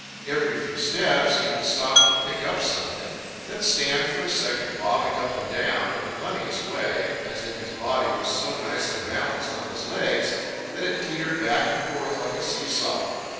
Every few steps he would stop to pick up something, then stand for a second bobbing up and down in the funniest way, as if his body was so nicely balanced on his legs that it teetered back and forth like a seesaw.